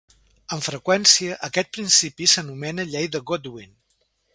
Amb freqüència aquest principi s'anomena Llei de Godwin.